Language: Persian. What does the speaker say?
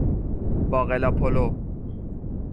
باقلا پلو